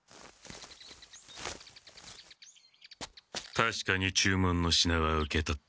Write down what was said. たしかに注文の品は受け取った。